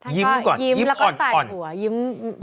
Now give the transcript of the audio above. ยิ้มก่อนยิ้มอ่อน